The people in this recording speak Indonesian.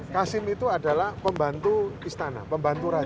kasim itu adalah pembantu istana pembantu raja